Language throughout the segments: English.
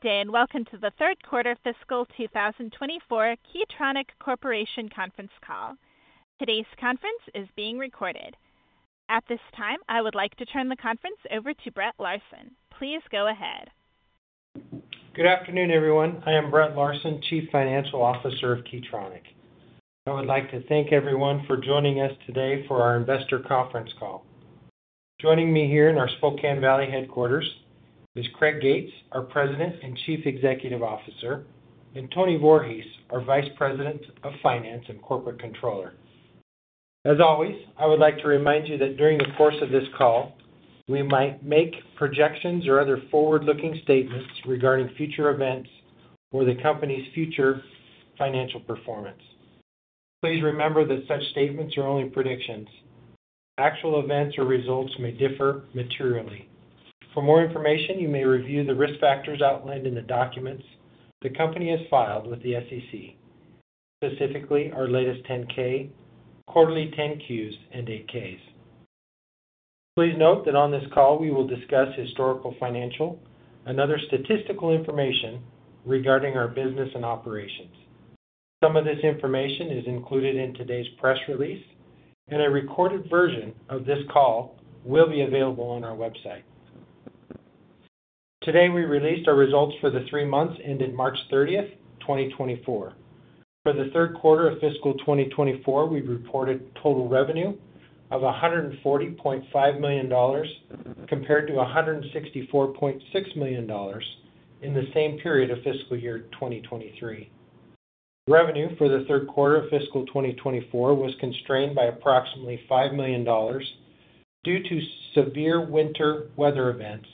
Good day, and welcome to the third quarter fiscal 2024 Key Tronic Corporation conference call. Today's conference is being recorded. At this time, I would like to turn the conference over to Brett Larsen. Please go ahead. Good afternoon, everyone. I am Brett Larsen, Chief Financial Officer of Key Tronic. I would like to thank everyone for joining us today for our investor conference call. Joining me here in our Spokane Valley headquarters is Craig Gates, our President and Chief Executive Officer, and Tony Voorhees, our Vice President of Finance and Corporate Controller. As always, I would like to remind you that during the course of this call, we might make projections or other forward-looking statements regarding future events or the company's future financial performance. Please remember that such statements are only predictions. Actual events or results may differ materially. For more information, you may review the risk factors outlined in the documents the company has filed with the SEC, specifically our latest 10-K, quarterly 10-Qs, and 8-Ks. Please note that on this call, we will discuss historical, financial, and other statistical information regarding our business and operations. Some of this information is included in today's press release, and a recorded version of this call will be available on our website. Today, we released our results for the three months ended March 30, 2024. For the third quarter of fiscal 2024, we've reported total revenue of $140.5 million, compared to $164.6 million in the same period of fiscal year 2023. Revenue for the third quarter of fiscal 2024 was constrained by approximately $5 million due to severe winter weather events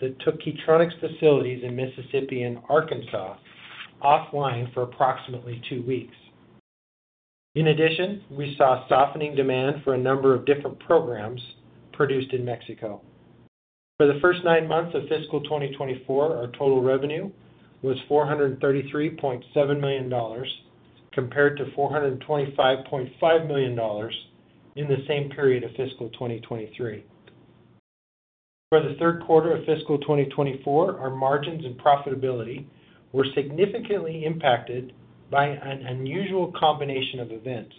that took Key Tronic's facilities in Mississippi and Arkansas offline for approximately two weeks. In addition, we saw a softening demand for a number of different programs produced in Mexico. For the first nine months of fiscal 2024, our total revenue was $433.7 million, compared to $425.5 million in the same period of fiscal 2023. For the third quarter of fiscal 2024, our margins and profitability were significantly impacted by an unusual combination of events.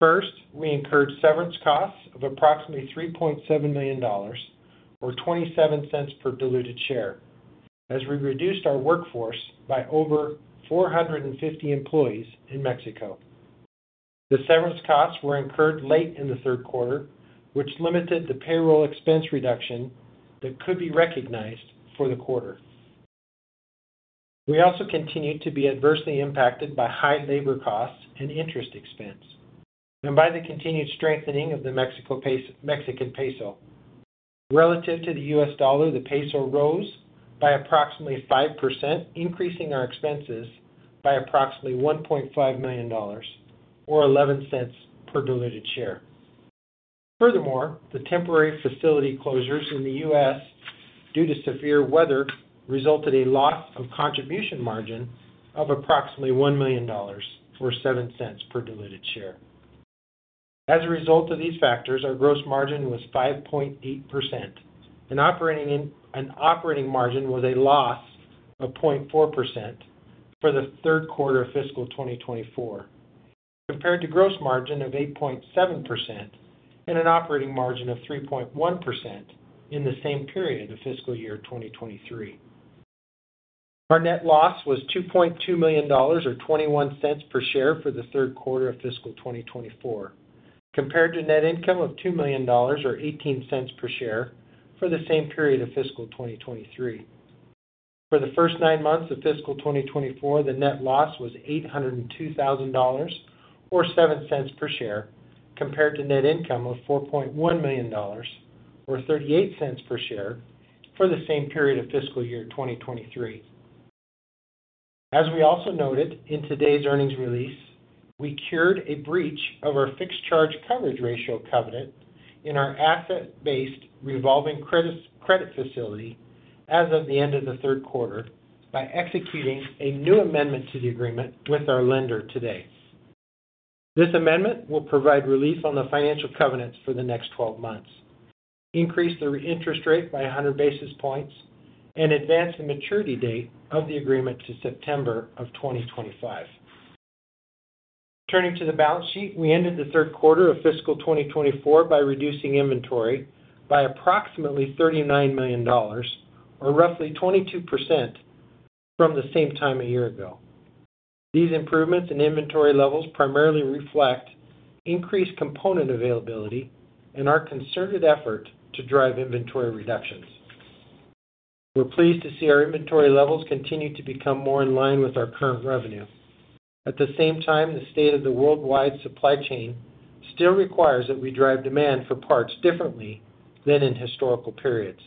First, we incurred severance costs of approximately $3.7 million or 27 cents per diluted share, as we reduced our workforce by over 450 employees in Mexico. The severance costs were incurred late in the third quarter, which limited the payroll expense reduction that could be recognized for the quarter. We also continued to be adversely impacted by high labor costs and interest expense, and by the continued strengthening of the Mexican peso. Relative to the U.S. dollar, the peso rose by approximately 5%, increasing our expenses by approximately $1.5 million or $0.11 per diluted share. Furthermore, the temporary facility closures in the U.S. due to severe weather resulted in a loss of contribution margin of approximately $1 million, or $0.07 per diluted share. As a result of these factors, our gross margin was 5.8% and operating income and operating margin was a loss of 0.4% for the third quarter of fiscal 2024, compared to gross margin of 8.7% and an operating margin of 3.1% in the same period of fiscal year 2023. Our net loss was $2.2 million or $0.21 per share for the third quarter of fiscal 2024, compared to net income of $2 million or $0.18 per share for the same period of fiscal 2023. For the first nine months of fiscal 2024, the net loss was $802,000, or $0.07 per share, compared to net income of $4.1 million or $0.38 per share for the same period of fiscal year 2023. As we also noted in today's earnings release, we cured a breach of our Fixed Charge Coverage Ratio covenant in our asset-based revolving credit facility as of the end of the third quarter by executing a new amendment to the agreement with our lender today. This amendment will provide relief on the financial covenants for the next 12 months, increase the interest rate by 100 basis points, and advance the maturity date of the agreement to September of 2025. Turning to the balance sheet, we ended the third quarter of fiscal 2024 by reducing inventory by approximately $39 million, or roughly 22% from the same time a year ago. These improvements in inventory levels primarily reflect increased component availability and our concerted effort to drive inventory reductions. We're pleased to see our inventory levels continue to become more in line with our current revenue. At the same time, the state of the worldwide supply chain still requires that we drive demand for parts differently than in historical periods.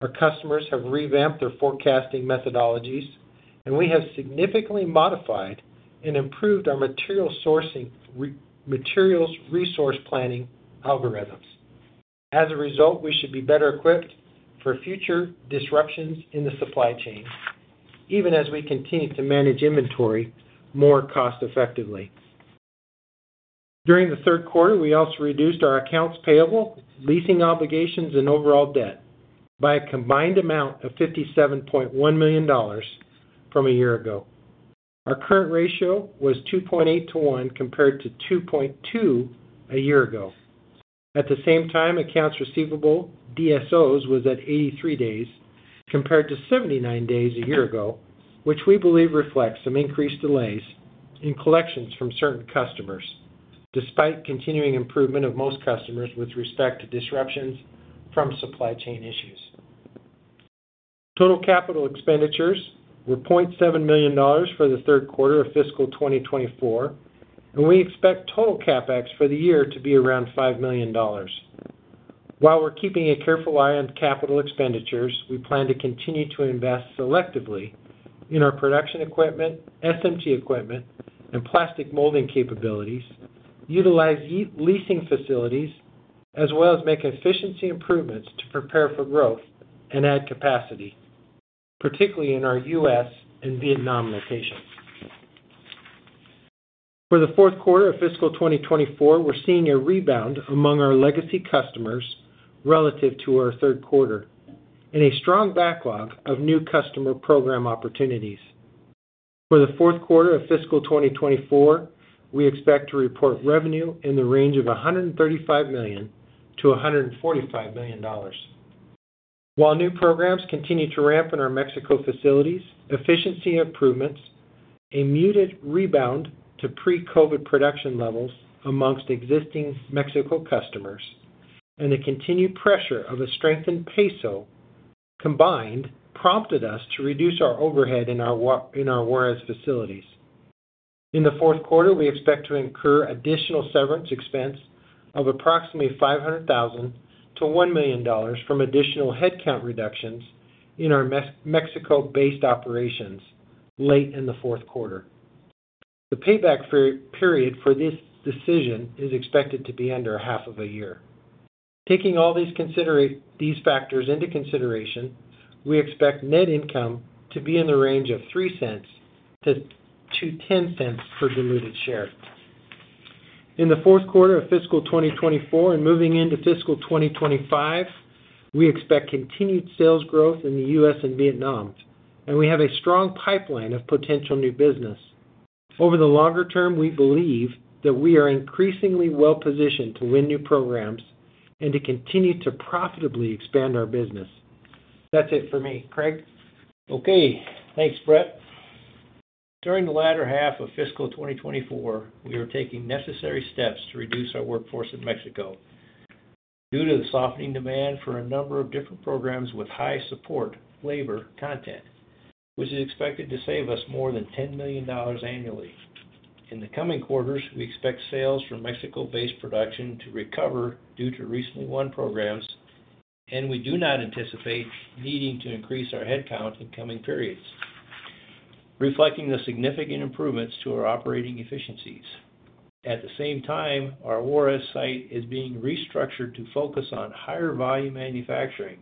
Our customers have revamped their forecasting methodologies, and we have significantly modified and improved our material sourcing materials resource planning algorithms. As a result, we should be better equipped for future disruptions in the supply chain, even as we continue to manage inventory more cost-effectively. During the third quarter, we also reduced our accounts payable, leasing obligations, and overall debt by a combined amount of $57.1 million from a year ago. Our current ratio was 2.8 to 1, compared to 2.2 a year ago. At the same time, accounts receivable DSOs was at 83 days, compared to 79 days a year ago, which we believe reflects some increased delays in collections from certain customers, despite continuing improvement of most customers with respect to disruptions from supply chain issues. Total capital expenditures were $0.7 million for the third quarter of fiscal 2024, and we expect total CapEx for the year to be around $5 million. While we're keeping a careful eye on capital expenditures, we plan to continue to invest selectively in our production equipment, SMT equipment, and plastic molding capabilities, utilize leasing facilities, as well as make efficiency improvements to prepare for growth and add capacity, particularly in our US and Vietnam locations. For the fourth quarter of fiscal 2024, we're seeing a rebound among our legacy customers relative to our third quarter, and a strong backlog of new customer program opportunities. For the fourth quarter of fiscal 2024, we expect to report revenue in the range of $135 million-$145 million. While new programs continue to ramp in our Mexico facilities, efficiency improvements, a muted rebound to pre-COVID production levels amongst existing Mexico customers, and the continued pressure of a strengthened peso, combined, prompted us to reduce our overhead in our Juarez facilities. In the fourth quarter, we expect to incur additional severance expense of approximately $500,000-$1 million from additional headcount reductions in our Mexico-based operations late in the fourth quarter. The payback period for this decision is expected to be under half of a year. Taking all these factors into consideration, we expect net income to be in the range of $0.03-$0.10 per diluted share. In the fourth quarter of fiscal 2024 and moving into fiscal 2025, we expect continued sales growth in the U.S. and Vietnam, and we have a strong pipeline of potential new business. Over the longer term, we believe that we are increasingly well-positioned to win new programs and to continue to profitably expand our business. That's it for me. Craig? Okay. Thanks, Brett. During the latter half of fiscal 2024, we are taking necessary steps to reduce our workforce in Mexico due to the softening demand for a number of different programs with high support labor content, which is expected to save us more than $10 million annually. In the coming quarters, we expect sales from Mexico-based production to recover due to recently won programs, and we do not anticipate needing to increase our headcount in coming periods, reflecting the significant improvements to our operating efficiencies. At the same time, our Juarez site is being restructured to focus on higher volume manufacturing,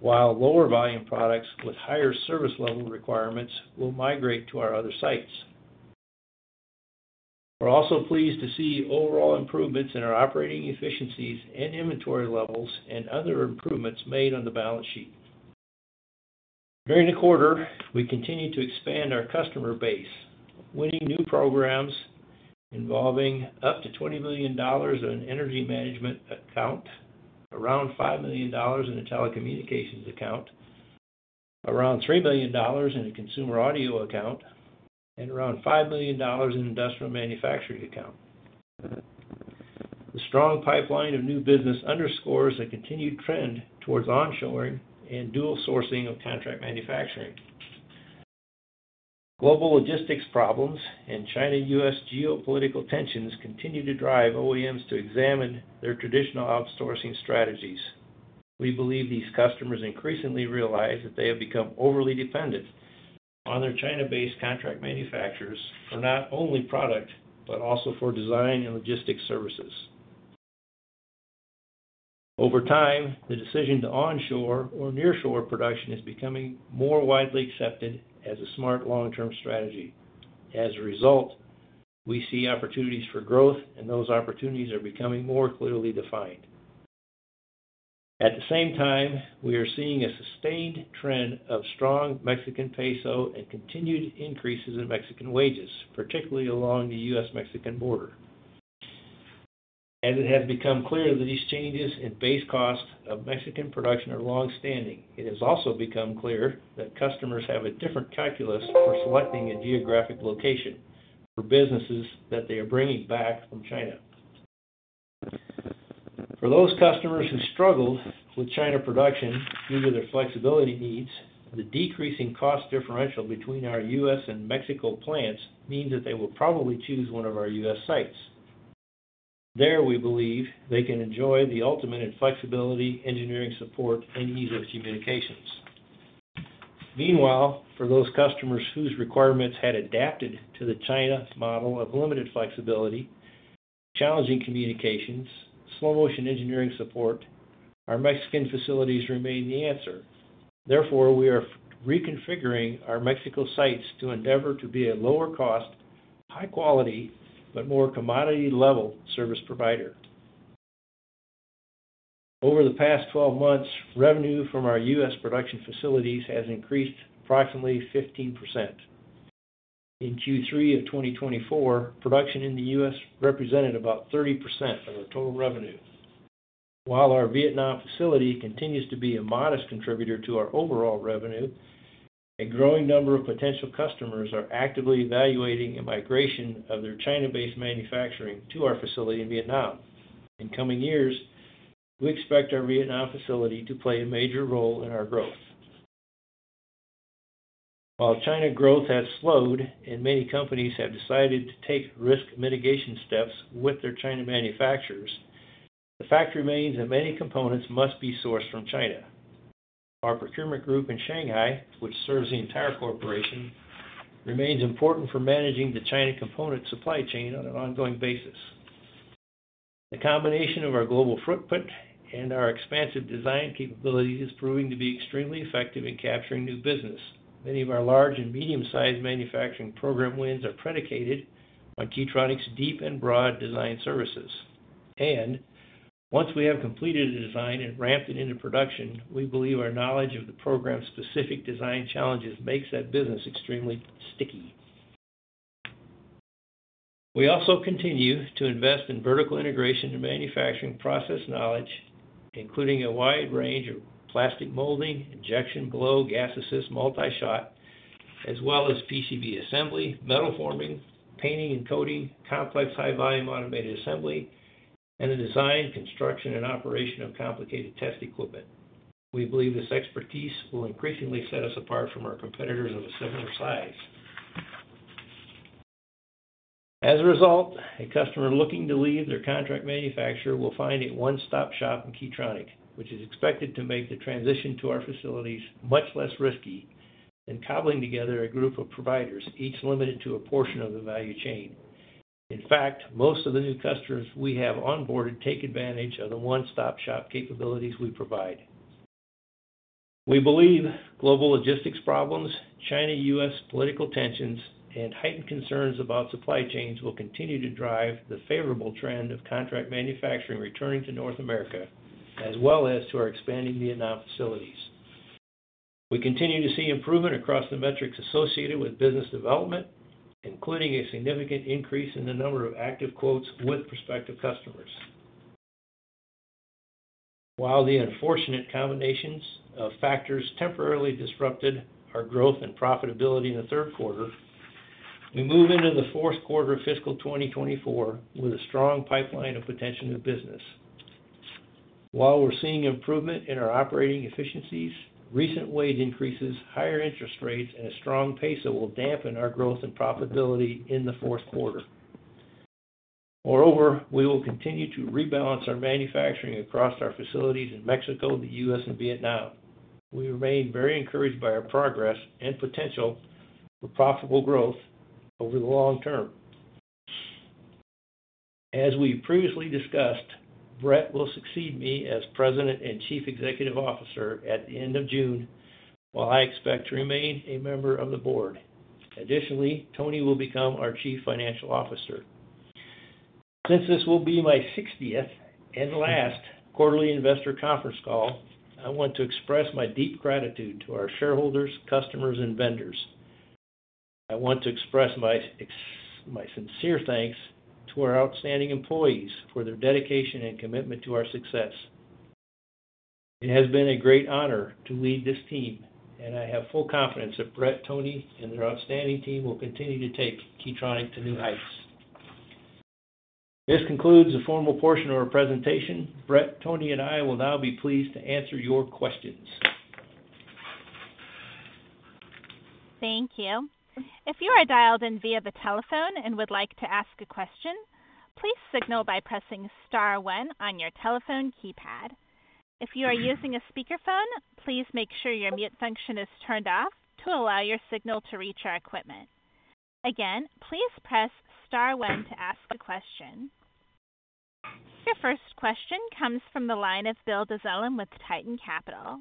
while lower volume products with higher service level requirements will migrate to our other sites. We're also pleased to see overall improvements in our operating efficiencies and inventory levels and other improvements made on the balance sheet. During the quarter, we continued to expand our customer base, winning new programs involving up to $20 million on energy management account, around $5 million in a telecommunications account, around $3 million in a consumer audio account, and around $5 million in industrial manufacturing account. The strong pipeline of new business underscores a continued trend towards onshoring and dual sourcing of contract manufacturing. Global logistics problems and China-U.S. geopolitical tensions continue to drive OEMs to examine their traditional outsourcing strategies. We believe these customers increasingly realize that they have become overly dependent on their China-based contract manufacturers for not only product, but also for design and logistics services. Over time, the decision to onshore or nearshore production is becoming more widely accepted as a smart long-term strategy. As a result, we see opportunities for growth, and those opportunities are becoming more clearly defined. At the same time, we are seeing a sustained trend of strong Mexican peso and continued increases in Mexican wages, particularly along the U.S.-Mexican border. As it has become clear that these changes in base cost of Mexican production are long-standing, it has also become clear that customers have a different calculus for selecting a geographic location for businesses that they are bringing back from China. For those customers who struggled with China production due to their flexibility needs, the decreasing cost differential between our U.S. and Mexico plants means that they will probably choose one of our U.S. sites. There, we believe they can enjoy the ultimate in flexibility, engineering support, and ease of communications. Meanwhile, for those customers whose requirements had adapted to the China model of limited flexibility, challenging communications, slow-motion engineering support,... Our Mexican facilities remain the answer. Therefore, we are reconfiguring our Mexico sites to endeavor to be a lower cost, high quality, but more commodity level service provider. Over the past 12 months, revenue from our US production facilities has increased approximately 15%. In Q3 of 2024, production in the US represented about 30% of the total revenue. While our Vietnam facility continues to be a modest contributor to our overall revenue, a growing number of potential customers are actively evaluating a migration of their China-based manufacturing to our facility in Vietnam. In coming years, we expect our Vietnam facility to play a major role in our growth. While China growth has slowed and many companies have decided to take risk mitigation steps with their China manufacturers, the fact remains that many components must be sourced from China. Our procurement group in Shanghai, which serves the entire corporation, remains important for managing the China component supply chain on an ongoing basis. The combination of our global footprint and our expansive design capabilities is proving to be extremely effective in capturing new business. Many of our large and medium-sized manufacturing program wins are predicated on Key Tronic's deep and broad design services. And once we have completed a design and ramped it into production, we believe our knowledge of the program's specific design challenges makes that business extremely sticky. We also continue to invest in vertical integration and manufacturing process knowledge, including a wide range of plastic molding, injection blow, gas assist, multi-shot, as well as PCB assembly, metal forming, painting and coating, complex high volume automated assembly, and the design, construction, and operation of complicated test equipment. We believe this expertise will increasingly set us apart from our competitors of a similar size. As a result, a customer looking to leave their contract manufacturer will find a one-stop shop in Key Tronic, which is expected to make the transition to our facilities much less risky than cobbling together a group of providers, each limited to a portion of the value chain. In fact, most of the new customers we have onboarded take advantage of the one-stop-shop capabilities we provide. We believe global logistics problems, China-U.S. political tensions, and heightened concerns about supply chains will continue to drive the favorable trend of contract manufacturing, returning to North America, as well as to our expanding Vietnam facilities. We continue to see improvement across the metrics associated with business development, including a significant increase in the number of active quotes with prospective customers. While the unfortunate combinations of factors temporarily disrupted our growth and profitability in the third quarter, we move into the fourth quarter of fiscal 2024 with a strong pipeline of potential new business. While we're seeing improvement in our operating efficiencies, recent wage increases, higher interest rates, and a strong peso that will dampen our growth and profitability in the fourth quarter. Moreover, we will continue to rebalance our manufacturing across our facilities in Mexico, the U.S., and Vietnam. We remain very encouraged by our progress and potential for profitable growth over the long term. As we previously discussed, Brett will succeed me as President and Chief Executive Officer at the end of June, while I expect to remain a member of the board. Additionally, Tony will become our Chief Financial Officer. Since this will be my sixtieth and last quarterly investor conference call, I want to express my deep gratitude to our shareholders, customers, and vendors. I want to express my sincere thanks to our outstanding employees for their dedication and commitment to our success. It has been a great honor to lead this team, and I have full confidence that Brett, Tony, and their outstanding team will continue to take Key Tronic to new heights. This concludes the formal portion of our presentation. Brett, Tony, and I will now be pleased to answer your questions. Thank you. If you are dialed in via the telephone and would like to ask a question, please signal by pressing star one on your telephone keypad. If you are using a speakerphone, please make sure your mute function is turned off to allow your signal to reach our equipment. Again, please press star one to ask a question. Your first question comes from the line of Bill Dezellem with Tieton Capital.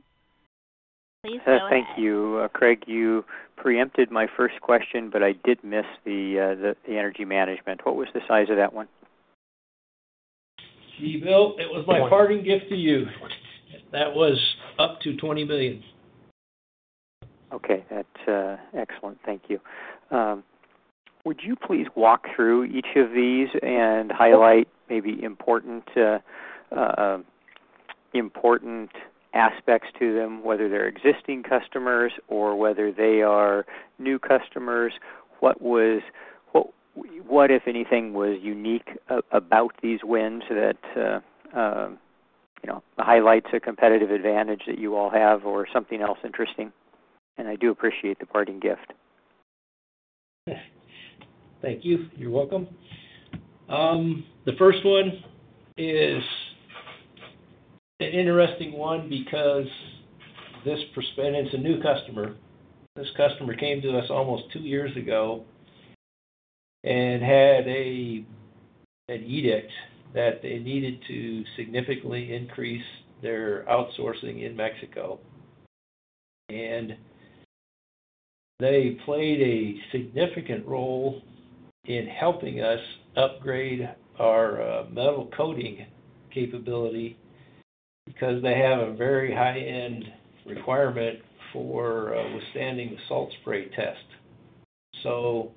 Please go ahead. Thank you. Craig, you preempted my first question, but I did miss the energy management. What was the size of that one? See, Bill, it was my parting gift to you. That was up to $20 million. Okay, that's excellent. Thank you. Would you please walk through each of these and highlight maybe important aspects to them, whether they're existing customers or whether they are new customers? What was—What, if anything, was unique about these wins that, you know, highlights a competitive advantage that you all have or something else interesting? And I do appreciate the parting gift. Thank you. You're welcome. The first one is an interesting one because it's a new customer. This customer came to us almost two years ago and had an edict that they needed to significantly increase their outsourcing in Mexico. And they played a significant role in helping us upgrade our metal coating capability, because they have a very high-end requirement for withstanding the salt spray test. So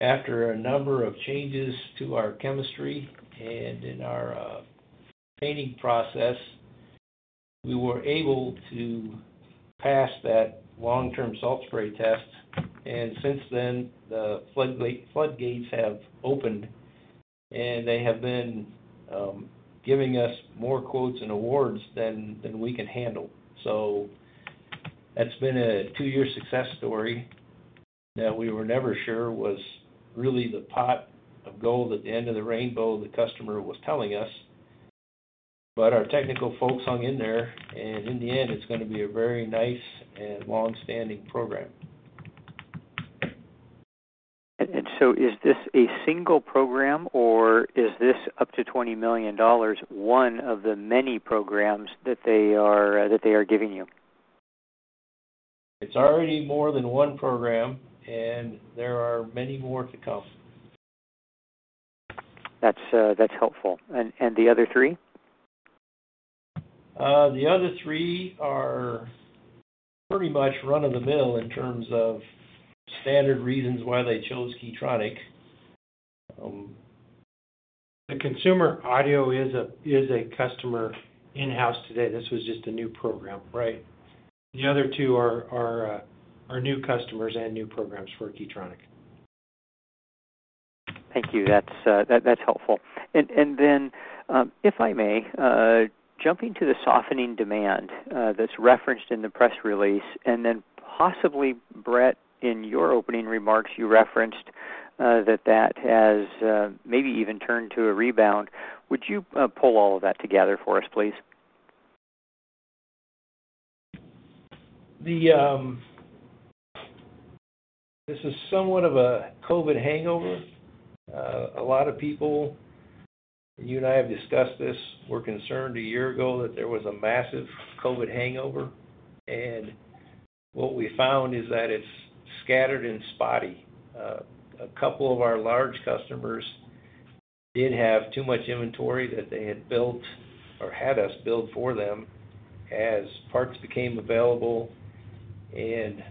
after a number of changes to our chemistry and in our painting process, we were able to pass that long-term salt spray test, and since then, the floodgates have opened, and they have been giving us more quotes and awards than we can handle. So that's been a two-year success story that we were never sure was really the pot of gold at the end of the rainbow the customer was telling us. But our technical folks hung in there, and in the end, it's gonna be a very nice and long-standing program. So is this a single program, or is this up to $20 million, one of the many programs that they are giving you? It's already more than one program, and there are many more to come. That's, that's helpful. And, and the other three? The other three are pretty much run-of-the-mill in terms of standard reasons why they chose Key Tronic. The consumer audio is a customer in-house today. This was just a new program, right? The other two are new customers and new programs for Key Tronic. Thank you. That's helpful. And then, if I may, jumping to the softening demand that's referenced in the press release, and then possibly, Brett, in your opening remarks, you referenced that that has maybe even turned to a rebound. Would you pull all of that together for us, please? This is somewhat of a COVID hangover. A lot of people, you and I have discussed this, were concerned a year ago that there was a massive COVID hangover, and what we found is that it's scattered and spotty. A couple of our large customers did have too much inventory that they had built or had us build for them as parts became available, and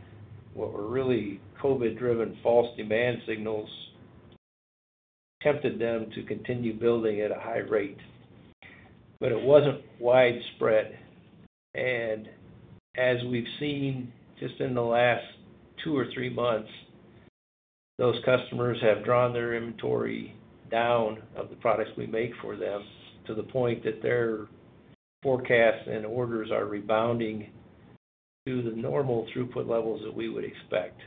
what were really COVID-driven false demand signals, tempted them to continue building at a high rate. But it wasn't widespread. And as we've seen just in the last two or three months, those customers have drawn their inventory down of the products we make for them, to the point that their forecast and orders are rebounding to the normal throughput levels that we would expect.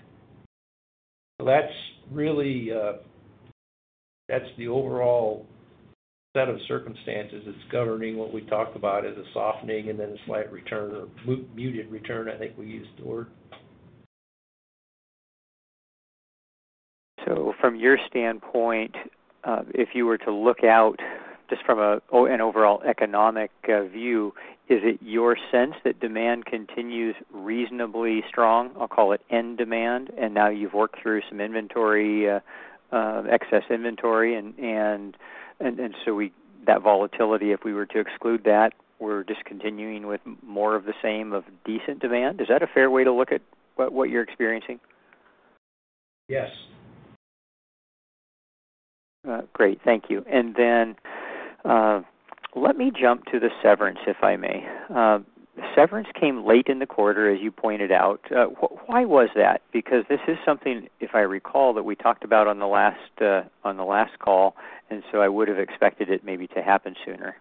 That's really the overall set of circumstances that's governing what we talked about as a softening and then a slight return or muted return, I think we used the word. So from your standpoint, if you were to look out just from an overall economic view, is it your sense that demand continues reasonably strong? I'll call it end demand, and now you've worked through some inventory, excess inventory and so that volatility, if we were to exclude that, we're just continuing with more of the same of decent demand. Is that a fair way to look at what you're experiencing? Yes. Great, thank you. And then, let me jump to the severance, if I may. The severance came late in the quarter, as you pointed out. Why was that? Because this is something, if I recall, that we talked about on the last, on the last call, and so I would have expected it maybe to happen sooner.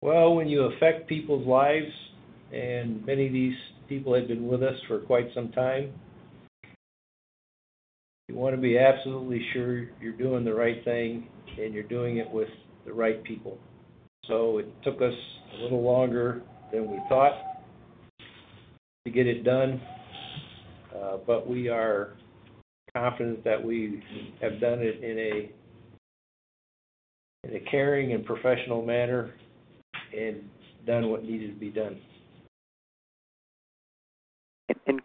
Well, when you affect people's lives, and many of these people had been with us for quite some time, you wanna be absolutely sure you're doing the right thing and you're doing it with the right people. So it took us a little longer than we thought to get it done, but we are confident that we have done it in a caring and professional manner and done what needed to be done.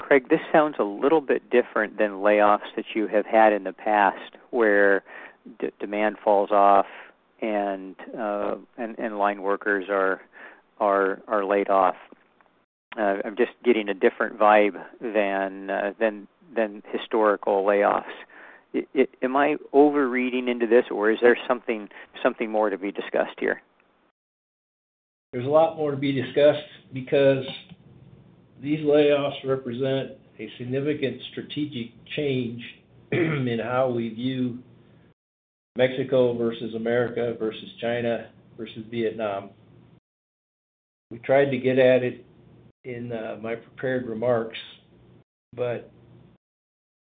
Craig, this sounds a little bit different than layoffs that you have had in the past, where demand falls off and line workers are laid off. I'm just getting a different vibe than historical layoffs. It -- am I overreading into this, or is there something more to be discussed here? There's a lot more to be discussed because these layoffs represent a significant strategic change, in how we view Mexico versus America versus China versus Vietnam. We tried to get at it in my prepared remarks, but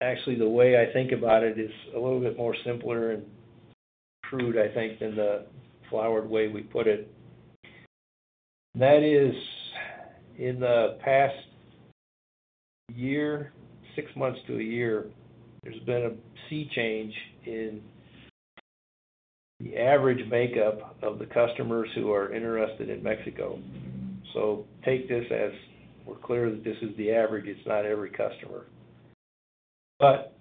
actually, the way I think about it is a little bit more simpler and crude, I think, than the flowery way we put it. That is, in the past year, six months to a year, there's been a sea change in the average makeup of the customers who are interested in Mexico. So take this as we're clear that this is the average, it's not every customer. But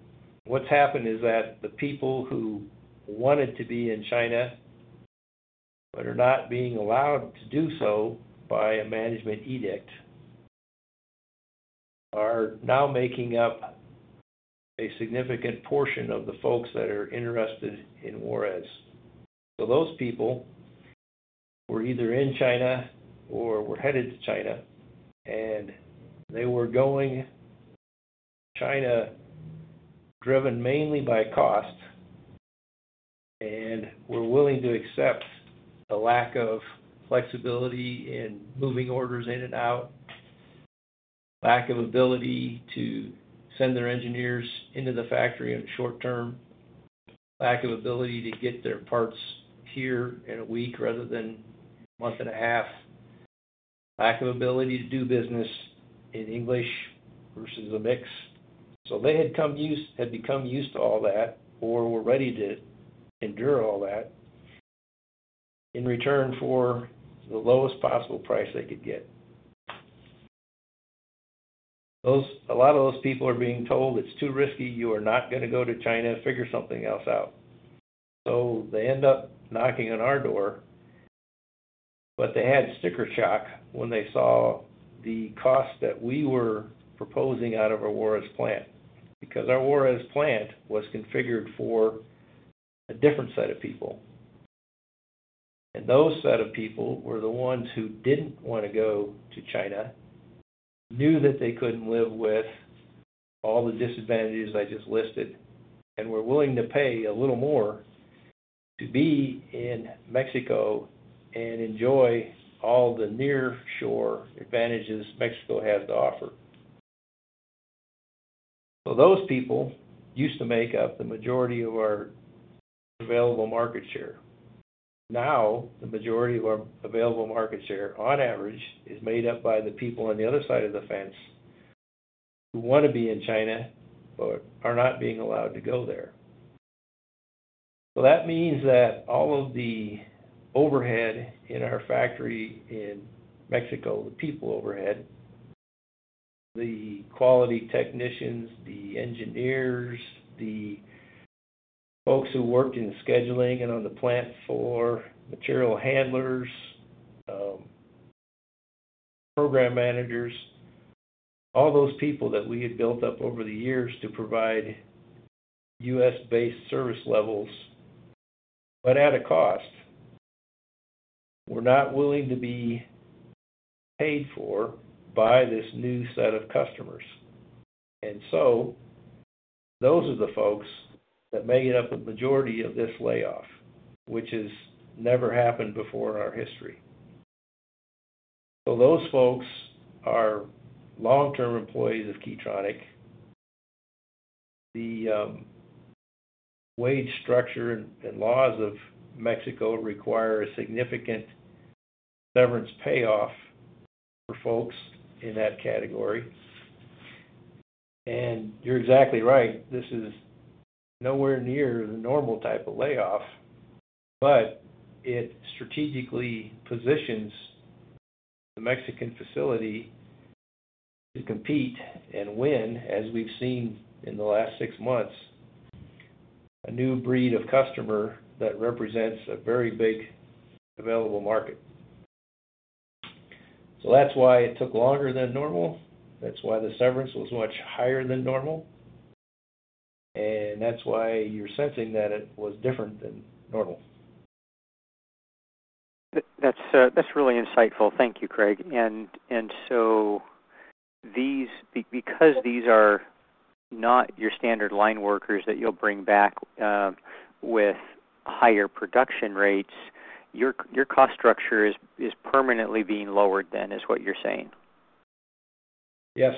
what's happened is that the people who wanted to be in China, but are not being allowed to do so by a management edict, are now making up a significant portion of the folks that are interested in Juarez. So those people were either in China or were headed to China, and they were going China, driven mainly by cost, and were willing to accept a lack of flexibility in moving orders in and out, lack of ability to send their engineers into the factory in short term, lack of ability to get their parts here in a week rather than a month and a half, lack of ability to do business in English versus a mix. So they had become used to all that, or were ready to endure all that, in return for the lowest possible price they could get. A lot of those people are being told, "It's too risky. You are not gonna go to China. Figure something else out." So they end up knocking on our door, but they had sticker shock when they saw the cost that we were proposing out of our Juarez plant, because our Juarez plant was configured for a different set of people. And those set of people were the ones who didn't want to go to China, knew that they couldn't live with all the disadvantages I just listed, and were willing to pay a little more to be in Mexico and enjoy all the nearshore advantages Mexico has to offer. So those people used to make up the majority of our available market share. Now, the majority of our available market share, on average, is made up by the people on the other side of the fence who wanna be in China, but are not being allowed to go there. So that means that all of the overhead in our factory in Mexico, the people overhead, the quality technicians, the engineers, the folks who worked in scheduling and on the plant floor, material handlers, program managers, all those people that we had built up over the years to provide U.S.-based service levels, but at a cost, were not willing to be paid for by this new set of customers. And so those are the folks that make up the majority of this layoff, which has never happened before in our history. So those folks are long-term employees of Key Tronic. The wage structure and laws of Mexico require a significant severance payoff for folks in that category. You're exactly right, this is nowhere near the normal type of layoff, but it strategically positions the Mexican facility to compete and win, as we've seen in the last six months, a new breed of customer that represents a very big available market. So that's why it took longer than normal, that's why the severance was much higher than normal, and that's why you're sensing that it was different than normal. That's really insightful. Thank you, Craig. And so, because these are not your standard line workers that you'll bring back with higher production rates, your cost structure is permanently being lowered then, is what you're saying? Yes.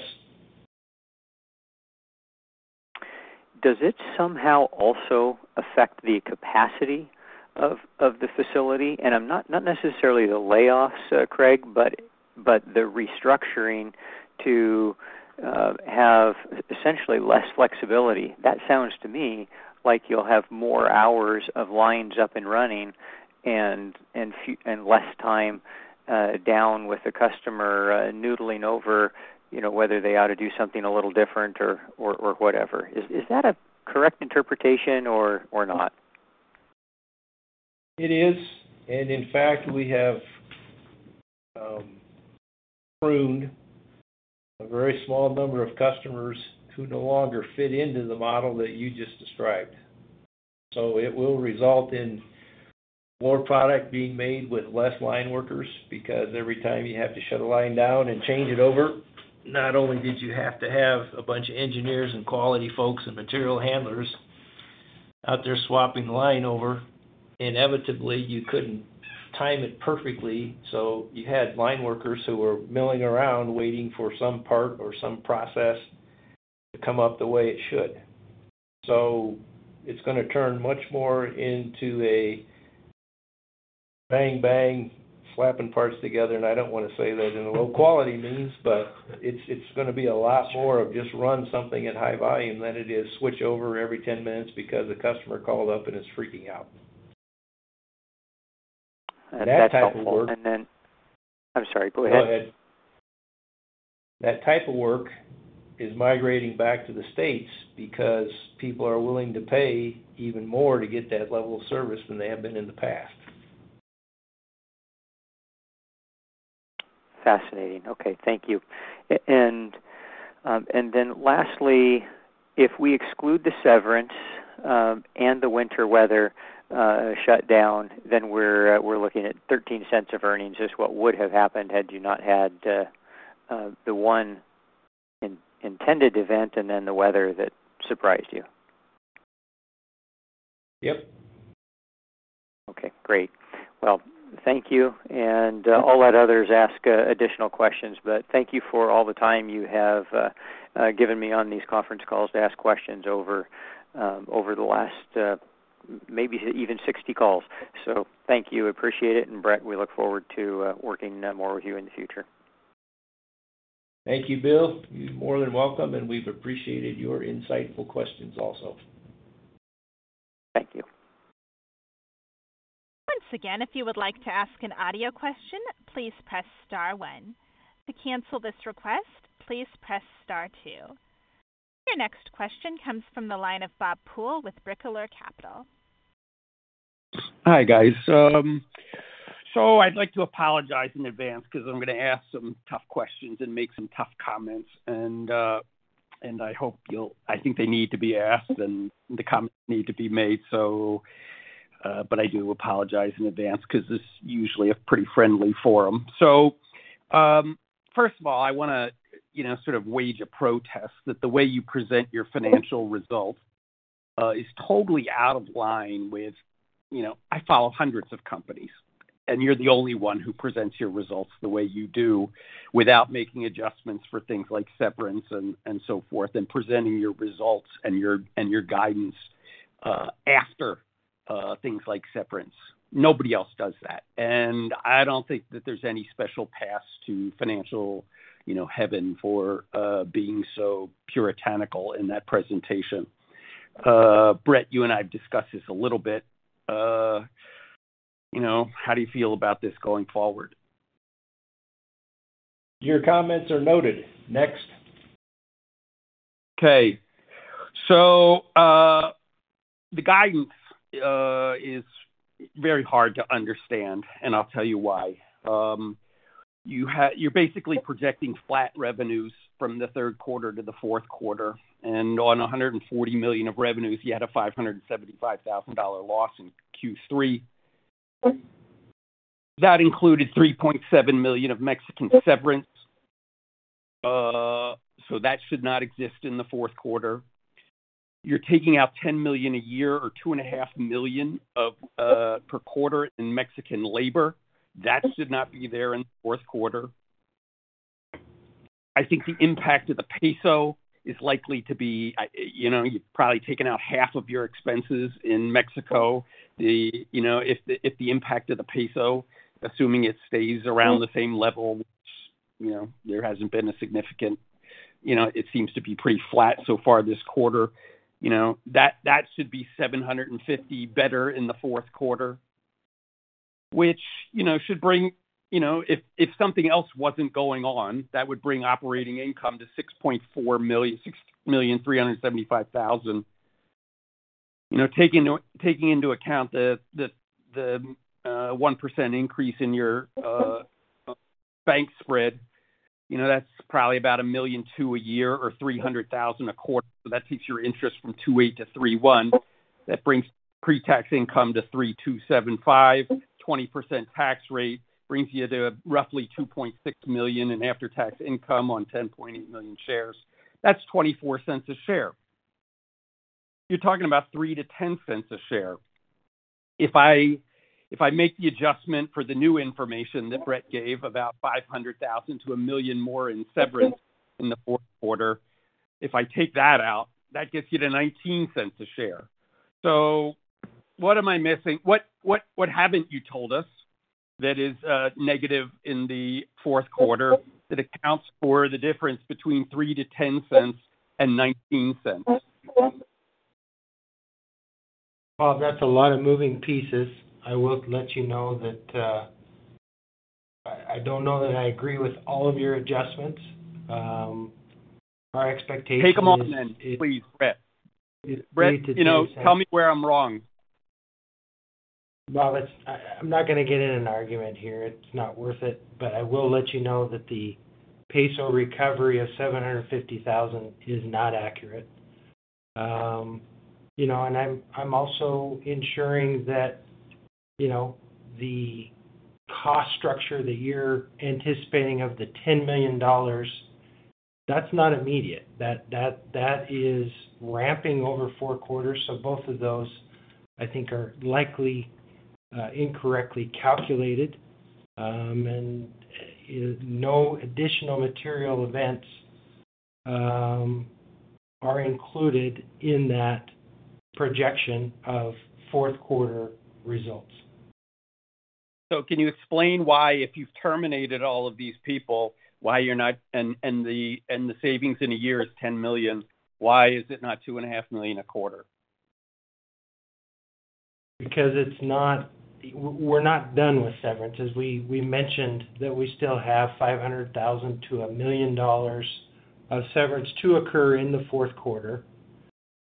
Does it somehow also affect the capacity of the facility? And I'm not necessarily the layoffs, Craig, but the restructuring to have essentially less flexibility. That sounds to me like you'll have more hours of lines up and running and fewer and less time down with the customer noodling over, you know, whether they ought to do something a little different or whatever. Is that a correct interpretation or not? It is, and in fact, we have pruned a very small number of customers who no longer fit into the model that you just described. So it will result in more product being made with less line workers, because every time you have to shut a line down and change it over, not only did you have to have a bunch of engineers and quality folks and material handlers out there swapping the line over, inevitably, you couldn't time it perfectly, so you had line workers who were milling around, waiting for some part or some process.... to come up the way it should. So it's gonna turn much more into a bang, bang, slapping parts together, and I don't want to say that in a low quality means, but it's, it's gonna be a lot more of just run something at high volume than it is switch over every 10 minutes because a customer called up and is freaking out. That's helpful. And then- I'm sorry, go ahead. Go ahead. That type of work is migrating back to the States because people are willing to pay even more to get that level of service than they have been in the past. Fascinating. Okay, thank you. And then lastly, if we exclude the severance and the winter weather shutdown, then we're looking at $0.13 of earnings. Is what would have happened had you not had the one intended event and then the weather that surprised you? Yep. Okay, great. Well, thank you, and I'll let others ask additional questions, but thank you for all the time you have given me on these conference calls to ask questions over the last maybe even 60 calls. So thank you. Appreciate it, and Brett, we look forward to working more with you in the future. Thank you, Bill. You're more than welcome, and we've appreciated your insightful questions also. Thank you. Once again, if you would like to ask an audio question, please press star one. To cancel this request, please press star two. Your next question comes from the line of Bob Poole with Bricolage Capital. Hi, guys. So I'd like to apologize in advance because I'm gonna ask some tough questions and make some tough comments, and, and I hope you'll. I think they need to be asked and the comments need to be made, so... But I do apologize in advance because this is usually a pretty friendly forum. So, first of all, I wanna, you know, sort of wage a protest that the way you present your financial results is totally out of line with. You know, I follow hundreds of companies, and you're the only one who presents your results the way you do, without making adjustments for things like severance and, and so forth, and presenting your results and your, and your guidance, after things like severance. Nobody else does that. I don't think that there's any special path to financial, you know, heaven for being so puritanical in that presentation. Brett, you and I have discussed this a little bit. You know, how do you feel about this going forward? Your comments are noted. Next. Okay, so, the guidance is very hard to understand, and I'll tell you why. You're basically projecting flat revenues from the third quarter to the fourth quarter, and on $140 million of revenues, you had a $575,000 loss in Q3. That included $3.7 million of Mexican severance, so that should not exist in the fourth quarter. You're taking out $10 million a year or $2.5 million of, per quarter in Mexican labor. That should not be there in the fourth quarter. I think the impact of the peso is likely to be, you know, you've probably taken out half of your expenses in Mexico. The... You know, if the impact of the peso, assuming it stays around the same level, which, you know, there hasn't been a significant, you know, it seems to be pretty flat so far this quarter. You know, that should be $750,000 better in the fourth quarter, which, you know, should bring, you know, if something else wasn't going on, that would bring operating income to $6.4 million, $6,375,000. You know, taking into account the 1% increase in your bank spread, you know, that's probably about $1.2 million a year or $300,000 a quarter. So that takes your interest from $2.8 to $3.1. That brings pre-tax income to $3,275. 20% tax rate brings you to roughly $2.6 million in after-tax income on 10.8 million shares. That's $0.24 a share. You're talking about $0.03-$0.10 a share. If I make the adjustment for the new information that Brett gave, about $500,000-$1 million more in severance in the fourth quarter, if I take that out, that gets you to $0.19 a share. So what am I missing? What, what, what haven't you told us that is negative in the fourth quarter, that accounts for the difference between $0.03-$0.10 and $0.19? Well, that's a lot of moving pieces. I will let you know that I don't know that I agree with all of your adjustments. Our expectation- Take them on then, please, Brett. Brett, you know, tell me where I'm wrong. Well, it's I'm not gonna get in an argument here. It's not worth it. But I will let you know that the peso recovery of $750,000 is not accurate. You know, and I'm also ensuring that, you know, the cost structure of the year anticipating of the $10 million, that's not immediate. That is ramping over four quarters. So both of those I think are likely incorrectly calculated. And no additional material events are included in that projection of fourth quarter results. So, can you explain why, if you've terminated all of these people, the savings in a year is $10 million, why is it not $2.5 million a quarter? Because it's not. We're not done with severance. As we mentioned that we still have $500,000-$1 million of severance to occur in the fourth quarter.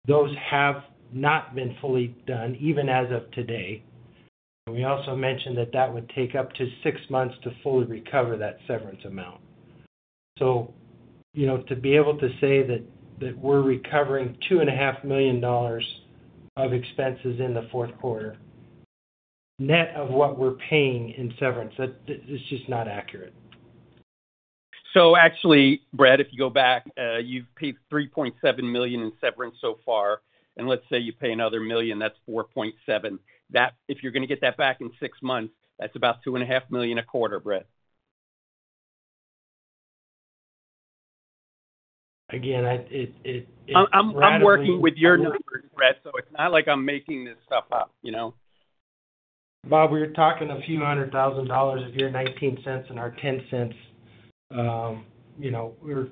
Those have not been fully done, even as of today. And we also mentioned that that would take up to six months to fully recover that severance amount. So, you know, to be able to say that we're recovering $2.5 million of expenses in the fourth quarter, net of what we're paying in severance, that it's just not accurate. So actually, Brett, if you go back, you've paid $3.7 million in severance so far, and let's say you pay another $1 million, that's $4.7 million. That—if you're gonna get that back in six months, that's about $2.5 million a quarter, Brett. Again, it I'm working with your numbers, Brett, so it's not like I'm making this stuff up, you know? Bob, we're talking a few $100,000 of your $0.19 and our $0.10. You know, we're,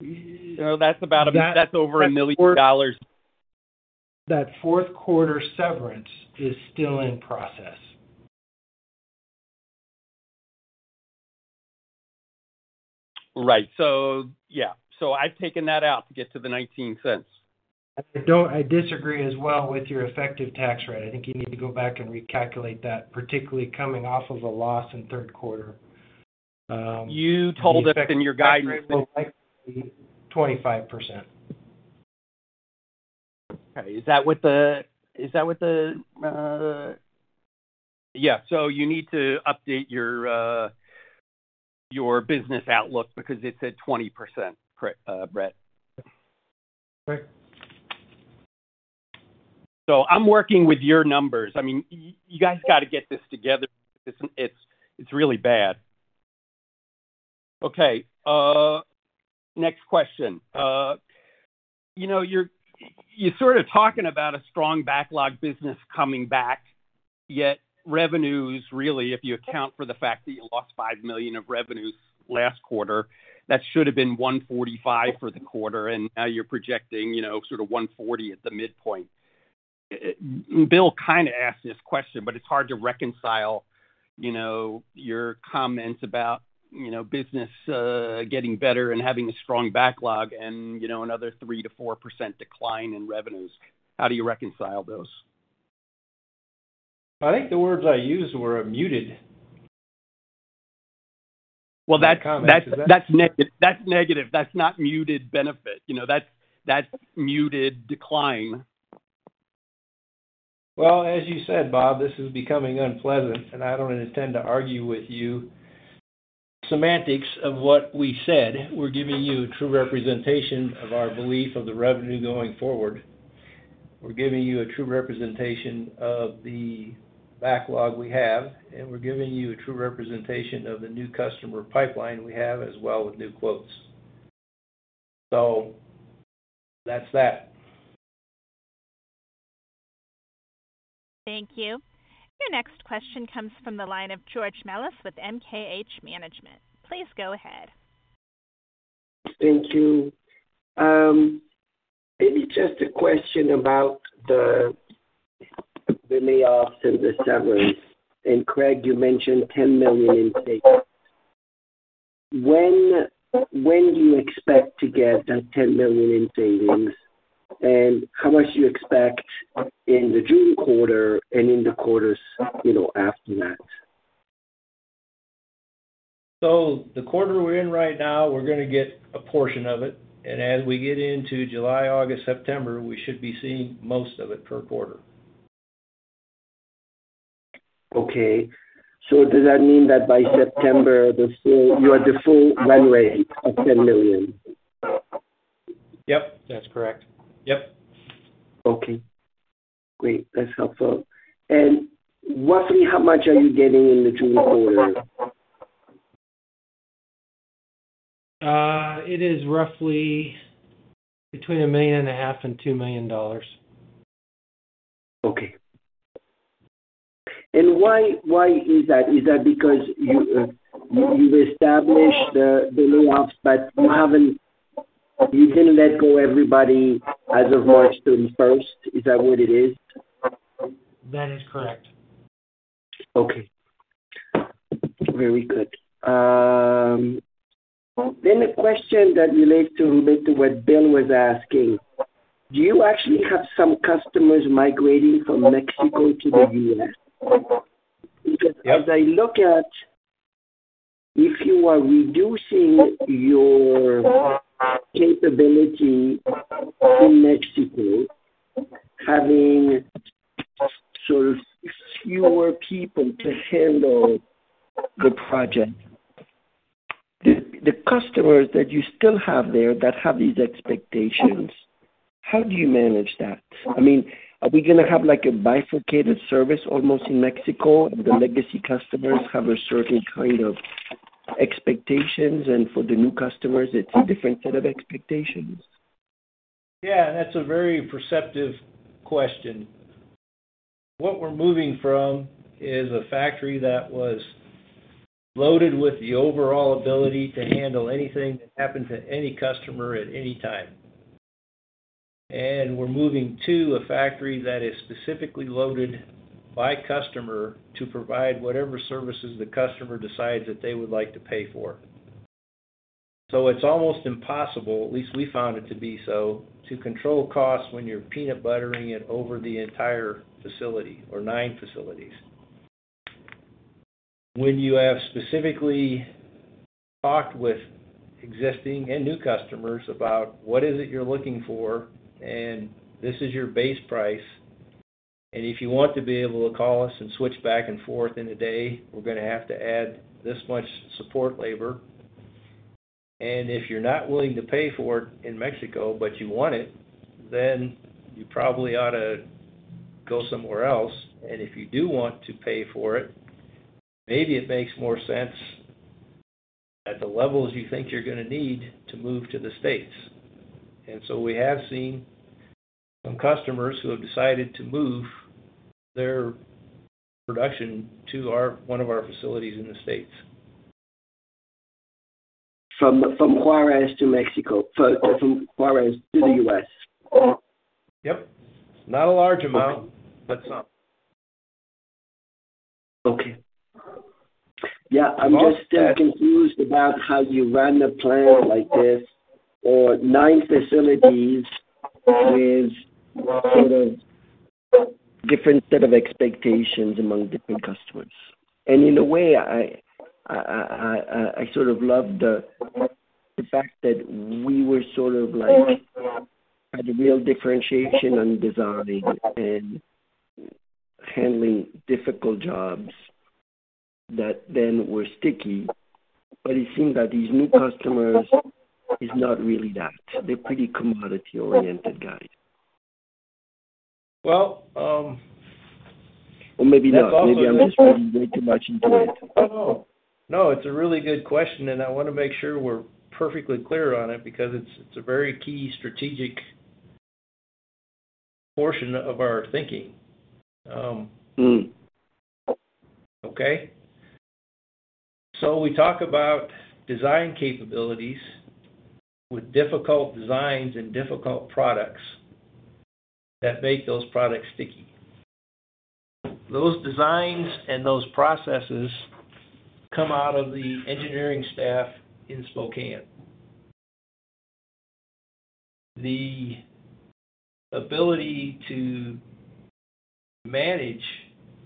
we- No, that's about, that's over $1 million. That fourth quarter severance is still in process. Right. So, yeah. So I've taken that out to get to the $0.19. I don't... I disagree as well with your effective tax rate. I think you need to go back and recalculate that, particularly coming off of a loss in third quarter. You told us in your guidance- 25%. Okay. Is that with the...? Yeah, so you need to update your business outlook because it said 20%, Pre, Brett. Right. So I'm working with your numbers. I mean, you guys got to get this together. It's really bad. Okay, next question. You know, you're sort of talking about a strong backlog business coming back, yet revenues, really, if you account for the fact that you lost $5 million of revenues last quarter, that should have been $145 million for the quarter, and now you're projecting, you know, sort of $140 million at the midpoint. Bill kind of asked this question, but it's hard to reconcile, you know, your comments about, you know, business getting better and having a strong backlog and, you know, another 3%-4% decline in revenues. How do you reconcile those? I think the words I used were a muted. Well, that's negative. That's negative. That's not muted benefit. You know, that's muted decline. Well, as you said, Bob, this is becoming unpleasant, and I don't intend to argue with you. Semantics of what we said, we're giving you a true representation of our belief of the revenue going forward. We're giving you a true representation of the backlog we have, and we're giving you a true representation of the new customer pipeline we have as well with new quotes. That's that. Thank you. Your next question comes from the line of George Melas with MKH Management. Please go ahead. Thank you. Maybe just a question about the layoffs and the severance. And, Craig, you mentioned $10 million in savings. When do you expect to get that $10 million in savings? And how much do you expect in the June quarter and in the quarters, you know, after that? So the quarter we're in right now, we're gonna get a portion of it, and as we get into July, August, September, we should be seeing most of it per quarter. Okay. So does that mean that by September, the full, you have the full run rate of $10 million? Yep, that's correct. Yep. Okay, great. That's helpful. Roughly how much are you getting in the June quarter? It is roughly between $1.5 million and $2 million. Okay. And why, why is that? Is that because you've established the layoffs, but you haven't, you didn't let go everybody as of March thirty-first? Is that what it is? That is correct. Okay. Very good. Then a question that relates to a little bit to what Bill was asking. Do you actually have some customers migrating from Mexico to the U.S.? Yes. Because as I look at if you are reducing your capability in Mexico, having sort of fewer people to handle the project. The customers that you still have there that have these expectations, how do you manage that? I mean, are we going to have, like, a bifurcated service almost in Mexico, where the legacy customers have a certain kind of expectations, and for the new customers, it's a different set of expectations? Yeah, that's a very perceptive question. What we're moving from is a factory that was loaded with the overall ability to handle anything that happened to any customer at any time. And we're moving to a factory that is specifically loaded by customer to provide whatever services the customer decides that they would like to pay for. So it's almost impossible, at least we found it to be so, to control costs when you're peanut buttering it over the entire facility or 9 facilities. When you have specifically talked with existing and new customers about what is it you're looking for, and this is your base price, and if you want to be able to call us and switch back and forth in a day, we're going to have to add this much support labor. And if you're not willing to pay for it in Mexico, but you want it, then you probably ought to go somewhere else. And if you do want to pay for it, maybe it makes more sense at the levels you think you're going to need to move to the States. And so we have seen some customers who have decided to move their production to one of our facilities in the States. From Juarez to Mexico. From Juarez to the U.S. Yep. Not a large amount, but some. Okay. Yeah, I'm just still confused about how you run a plan like this for nine facilities with sort of different set of expectations among different customers. And in a way, I sort of love the fact that we were sort of like had a real differentiation on designing and handling difficult jobs that then were sticky. But it seemed that these new customers is not really that. They're pretty commodity-oriented, guys. Well, um- Or maybe not. Maybe I'm just reading way too much into it. No, no, it's a really good question, and I want to make sure we're perfectly clear on it because it's a very key strategic portion of our thinking. Mm. Okay? So we talk about design capabilities with difficult designs and difficult products that make those products sticky. Those designs and those processes come out of the engineering staff in Spokane. The ability to manage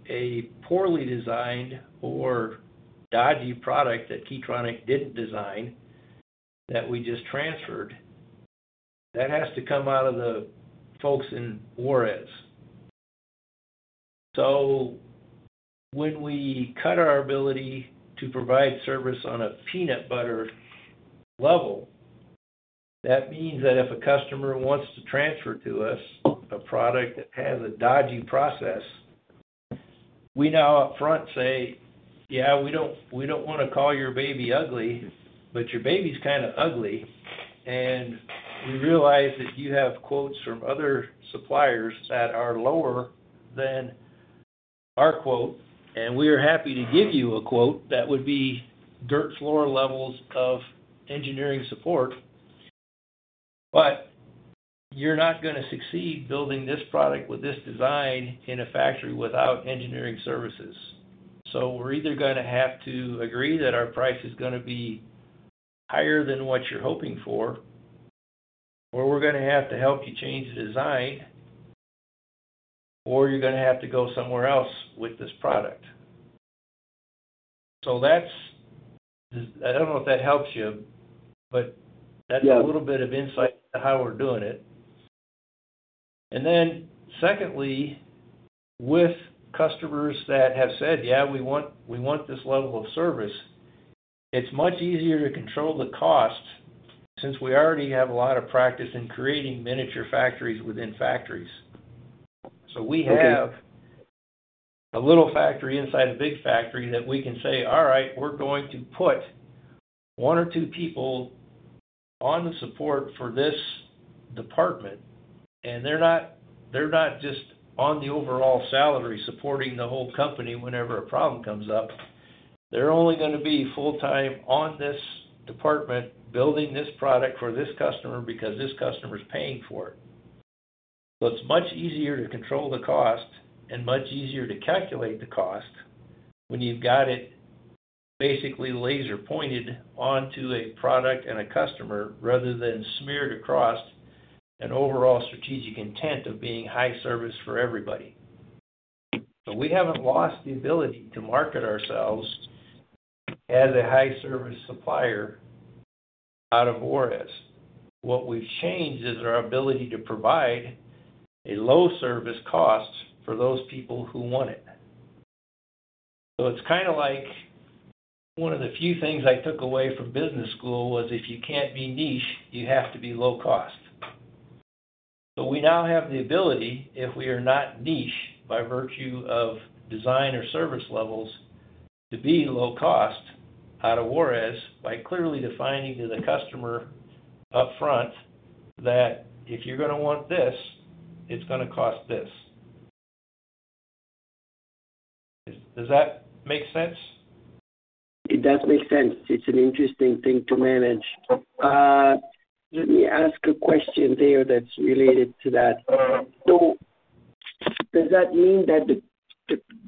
a poorly designed or dodgy product that Key Tronic didn't design, that we just transferred, that has to come out of the folks in Juarez. So when we cut our ability to provide service on a peanut butter level, that means that if a customer wants to transfer to us a product that has a dodgy process, we now upfront say, "Yeah, we don't, we don't want to call your baby ugly, but your baby's kinda ugly. And we realize that you have quotes from other suppliers that are lower than our quote, and we are happy to give you a quote that would be dirt floor levels of engineering support, but you're not going to succeed building this product with this design in a factory without engineering services. So we're either going to have to agree that our price is going to be higher than what you're hoping for, or we're going to have to help you change the design, or you're going to have to go somewhere else with this product. So that's the... I don't know if that helps you, but- Yeah... that's a little bit of insight to how we're doing it. And then secondly, with customers that have said, "Yeah, we want, we want this level of service," it's much easier to control the cost since we already have a lot of practice in creating miniature factories within factories. Okay. So we have a little factory inside a big factory that we can say, "All right, we're going to put one or two people on the support for this department," and they're not, they're not just on the overall salary, supporting the whole company whenever a problem comes up. They're only going to be full-time on this department, building this product for this customer because this customer is paying for it. So it's much easier to control the cost and much easier to calculate the cost when you've got it basically laser pointed onto a product and a customer rather than smeared across an overall strategic intent of being high service for everybody. So we haven't lost the ability to market ourselves as a high service supplier out of Juarez. What we've changed is our ability to provide a low service cost for those people who want it. So it's kind of like one of the few things I took away from business school was, if you can't be niche, you have to be low cost. So we now have the ability, if we are not niche by virtue of design or service levels, to be low cost out of Juarez by clearly defining to the customer upfront that if you're gonna want this, it's gonna cost this. Does that make sense? It does make sense. It's an interesting thing to manage. Let me ask a question there that's related to that. So does that mean that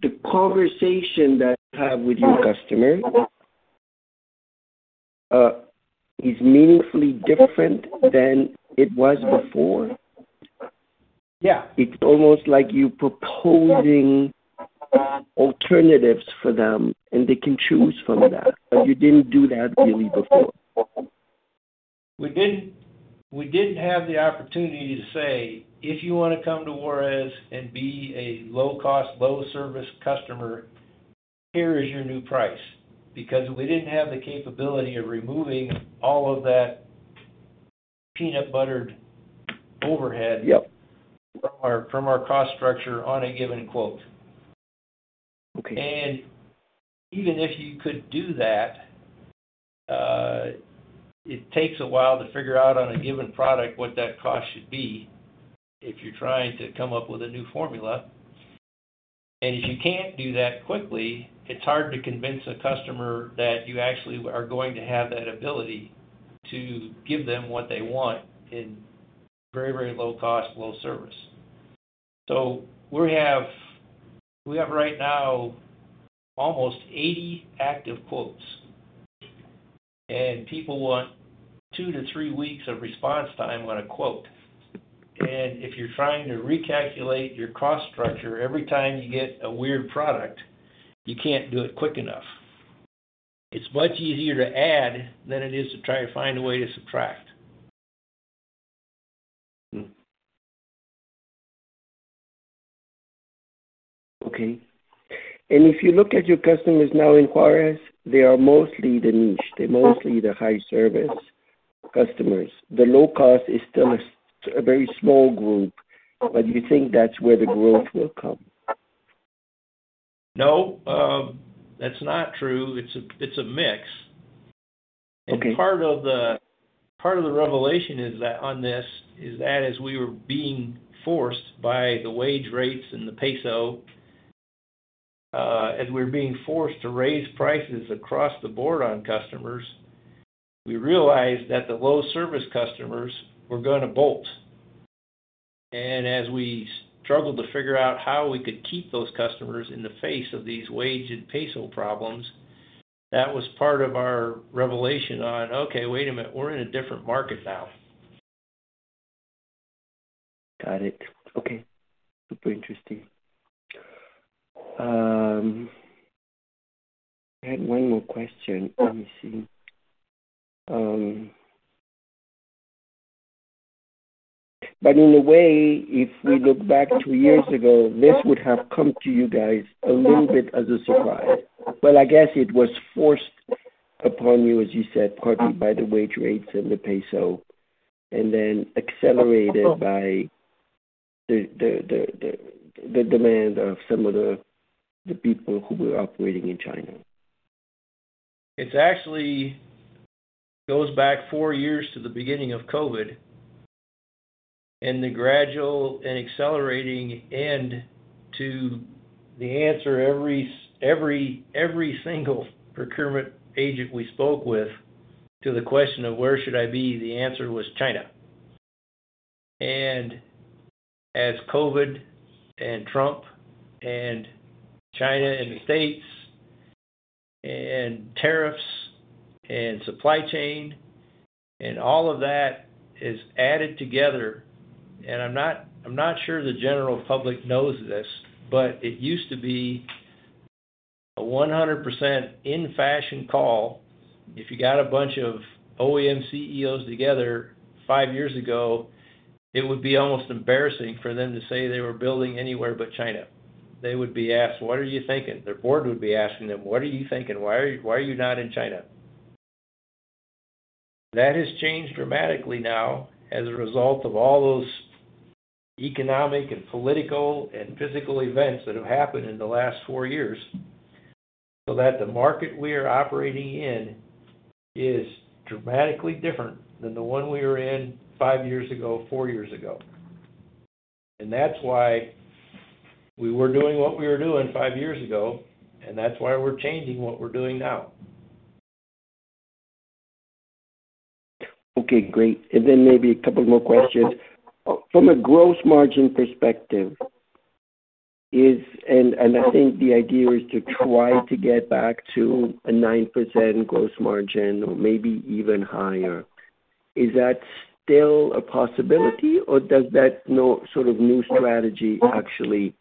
the conversation that you have with your customer is meaningfully different than it was before? Yeah. It's almost like you proposing alternatives for them, and they can choose from that, but you didn't do that really before. We didn't have the opportunity to say, "If you want to come to Juarez and be a low cost, low service customer, here is your new price." Because we didn't have the capability of removing all of that peanut buttered overhead- Yep. from our cost structure on a given quote. Okay. And even if you could do that, it takes a while to figure out on a given product what that cost should be if you're trying to come up with a new formula. And if you can't do that quickly, it's hard to convince a customer that you actually are going to have that ability to give them what they want in very, very low cost, low service. So we have, we have, right now, almost 80 active quotes, and people want 2-3 weeks of response time on a quote. And if you're trying to recalculate your cost structure every time you get a weird product, you can't do it quick enough. It's much easier to add than it is to try to find a way to subtract. Hmm. Okay. And if you look at your customers now in Juarez, they are mostly the niche. They're mostly the high service customers. The low cost is still a very small group, but you think that's where the growth will come? No, that's not true. It's a mix. Okay. And part of the, part of the revelation is that, on this, is that as we were being forced by the wage rates and the peso, as we're being forced to raise prices across the board on customers, we realized that the low service customers were gonna bolt. And as we struggled to figure out how we could keep those customers in the face of these wage and peso problems, that was part of our revelation on, "Okay, wait a minute, we're in a different market now. Got it. Okay. Super interesting. I had one more question. Let me see. But in a way, if we look back two years ago, this would have come to you guys a little bit as a surprise. Well, I guess it was forced upon you, as you said, partly by the wage rates and the peso, and then accelerated by the demand of some of the people who were operating in China. It's actually goes back four years to the beginning of COVID, and the gradual and accelerating end to the answer every single procurement agent we spoke with, to the question of where should I be? The answer was China. And as COVID and Trump and China and the States, and tariffs and supply chain and all of that is added together, and I'm not sure the general public knows this, but it used to be a 100% in fashion call. If you got a bunch of OEM CEOs together five years ago, it would be almost embarrassing for them to say they were building anywhere but China. They would be asked: What are you thinking? Their board would be asking them: What are you thinking? Why are you not in China? That has changed dramatically now as a result of all those economic and political and physical events that have happened in the last four years, so that the market we are operating in is dramatically different than the one we were in five years ago, four years ago. And that's why we were doing what we were doing five years ago, and that's why we're changing what we're doing now. Okay, great. And then maybe a couple more questions. From a gross margin perspective is... And, and I think the idea is to try to get back to a 9% gross margin or maybe even higher. Is that still a possibility, or does that no sort of new strategy actually-...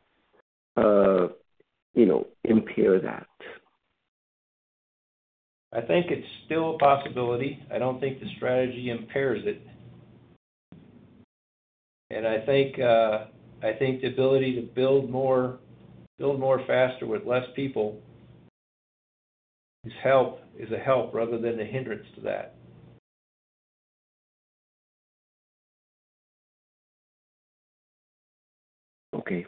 you know, impair that? I think it's still a possibility. I don't think the strategy impairs it. And I think the ability to build more faster with less people is a help rather than a hindrance to that. Okay.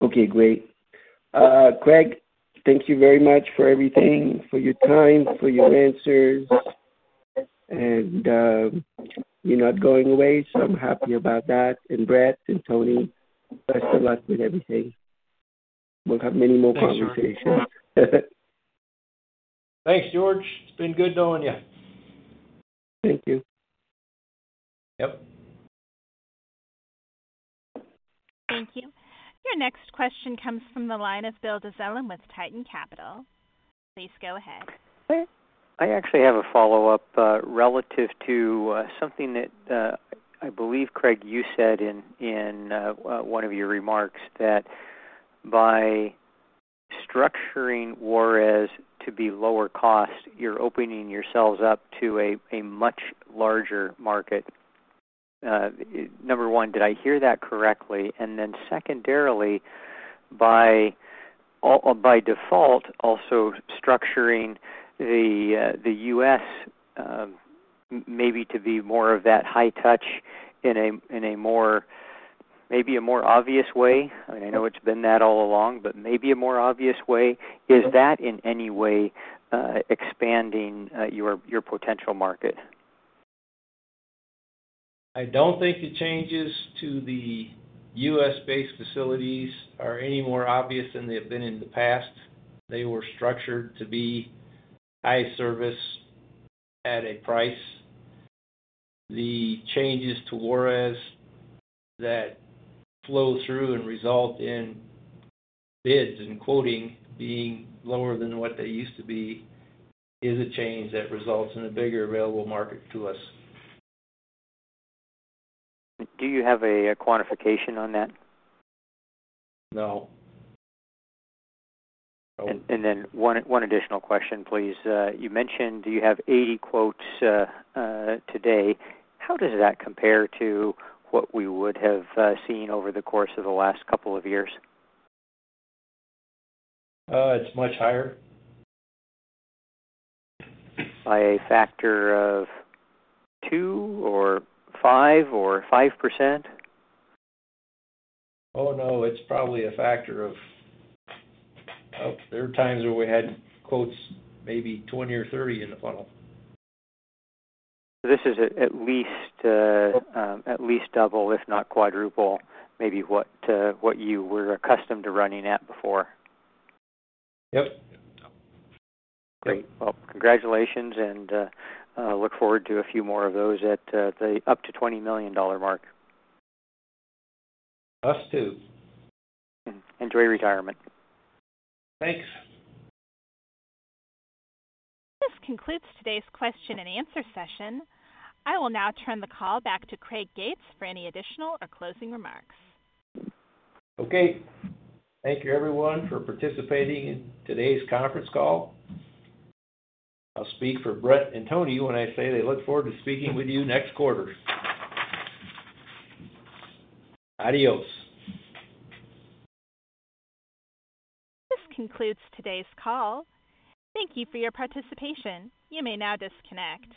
Okay, great. Craig, thank you very much for everything, for your time, for your answers. And, you're not going away, so I'm happy about that. And Brett and Tony, best of luck with everything. We'll have many more conversations. Thanks, George. It's been good knowing you. Thank you. Yep. Thank you. Your next question comes from the line of Bill Dezellem with Tieton Capital Management. Please go ahead. I actually have a follow-up relative to something that I believe, Craig, you said in one of your remarks, that by structuring Juarez to be lower cost, you're opening yourselves up to a much larger market. Number one, did I hear that correctly? And then secondarily, by default, also structuring the U.S. maybe to be more of that high touch in a more, maybe a more obvious way. I know it's been that all along, but maybe a more obvious way. Is that in any way expanding your potential market? I don't think the changes to the U.S.-based facilities are any more obvious than they have been in the past. They were structured to be high service at a price. The changes to Juarez that flow through and result in bids and quoting being lower than what they used to be, is a change that results in a bigger available market to us. Do you have a quantification on that? No. Then one additional question, please. You mentioned you have 80 quotes today. How does that compare to what we would have seen over the course of the last couple of years? It's much higher. By a factor of 2 or 5 or 5%? Oh, no, it's probably a factor of... There were times where we had quotes, maybe 20 or 30 in the funnel. This is at least double, if not quadruple, maybe what you were accustomed to running at before. Yep. Great. Well, congratulations, and I look forward to a few more of those at the up to $20 million mark. Us, too. Enjoy retirement. Thanks. This concludes today's question and answer session. I will now turn the call back to Craig Gates for any additional or closing remarks. Okay. Thank you, everyone, for participating in today's conference call. I'll speak for Brett and Tony when I say they look forward to speaking with you next quarter. Adios. This concludes today's call. Thank you for your participation. You may now disconnect.